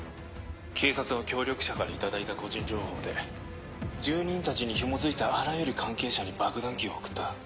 警察の協力者から頂いた個人情報で住人たちにひも付いたあらゆる関係者に爆弾キーを送った。